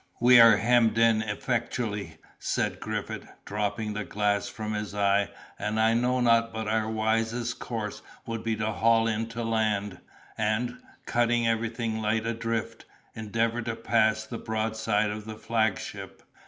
"We are hemmed in effectually," said Griffith, dropping the glass from his eye; "and I know not but our wisest course would be to haul in to the land, and, cutting everything light adrift, endeavor to pass the broadside of the flagship."